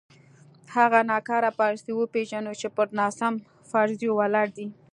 هغه ناکاره پالیسۍ وپېژنو چې پر ناسم فرضیو ولاړې دي.